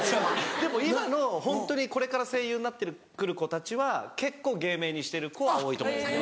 でも今のホントにこれから声優になって来る子たちは結構芸名にしてる子は多いと思います。